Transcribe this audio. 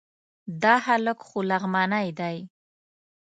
دا هلک خو لغمانی دی...